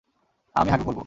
আমি হাগু করব।